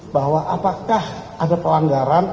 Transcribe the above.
bahwa apakah ada pelanggaran